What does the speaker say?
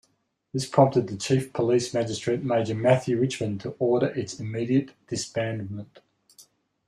This prompted the Chief Police Magistrate Major Matthew Richmond to order its immediate disbandment.